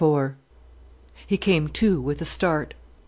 III He came to with a start.